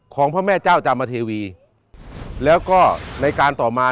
พระแม่เจ้าจามเทวีแล้วก็ในการต่อมา